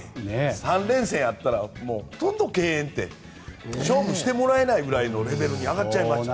３連戦やったらほとんど敬遠って勝負してもらえないぐらいのレベルに上がっちゃいました。